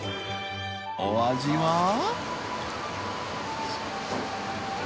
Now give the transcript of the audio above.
お味は？